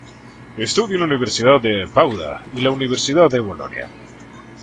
Estudió en la Universidad de Padua y la Universidad de Bolonia.